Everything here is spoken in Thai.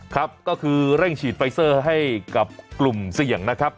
ครับก็คือเร่งฉีดไฟเซอร์ให้กับกลุ่มเสี่ยงนะครับ